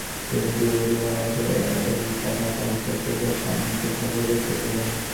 সেদিন তীব্র উত্তেজনার আলোতে এই টাকাটা হঠাৎ চোখের সামনে প্রত্যক্ষ দেখতে পেলুম।